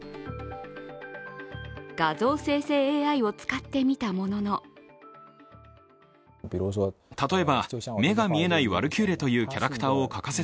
画像生成ＡＩを使ってみたものの画像生成